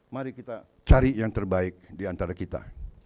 mari kita cari yang terbaik diantara kita